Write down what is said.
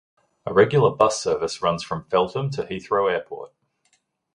A regular bus service runs from Feltham to Heathrow Airport.